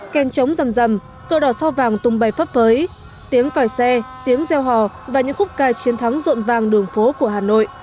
ken chống rầm rầm cơ đỏ so vàng tung bay phấp với tiếng còi xe tiếng reo hò và những khúc ca chiến thắng rộn vàng đường phố của hà nội